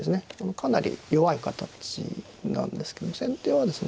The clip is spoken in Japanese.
かなり弱い形なんですけど先手はですね